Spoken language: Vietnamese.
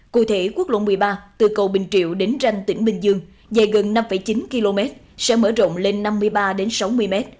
cụ thể quốc lộ một mươi ba từ cầu bình triệu đến ranh tỉnh bình dương dài gần năm chín km sẽ mở rộng lên năm mươi ba sáu mươi m